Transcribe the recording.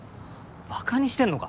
馬鹿にしてんのか？